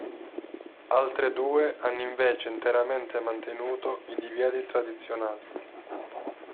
Altre due hanno invece interamente mantenuto i divieti tradizionali.